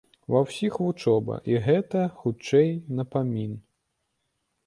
Ва ўсіх вучоба, і гэта, хутчэй, напамін.